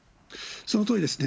そのとおりですね。